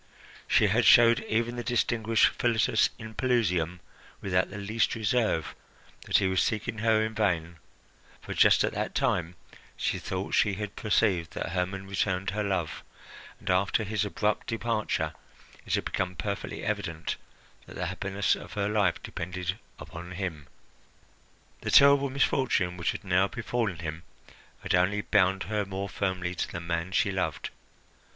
She had showed even the distinguished Philotas in Pelusium, without the least reserve, that he was seeking her in vain; for just at that time she thought she had perceived that Hermon returned her love, and after his abrupt departure it had become perfectly evident that the happiness of her life depended upon him. The terrible misfortune which had now befallen him had only bound her more firmly to the man she loved.